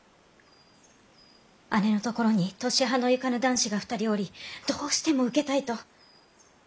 姉のところに年端のゆかぬ男子が２人おりどうしても受けたいと！